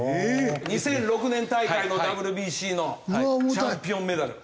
２００６年大会のＷＢＣのチャンピオンメダル。